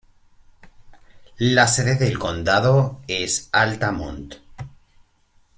La sede del condado es Altamont.